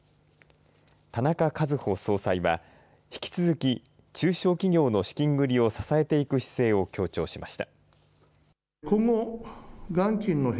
田中一穂総裁は引き続き、中小企業の資金繰りを支えていく姿勢を強調しました。